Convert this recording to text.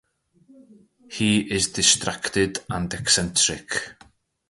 He is distracted and eccentric.